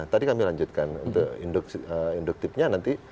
tadi kami lanjutkan untuk induktifnya nanti